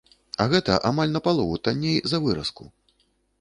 А гэта амаль напалову танней за выразку.